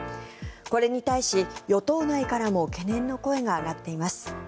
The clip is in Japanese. これに対し、与党内からも懸念の声が上がっています。